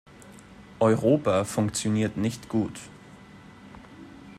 Europa funktioniert nicht gut.